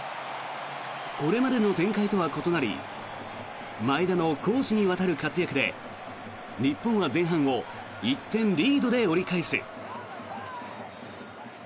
これまでの展開とは異なり前田の攻守にわたる活躍で日本は前半を１点リードで折り返す。